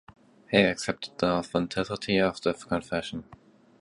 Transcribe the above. Hail accepted the authenticity of the confession.